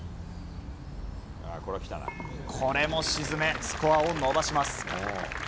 これも沈め、スコアを伸ばします。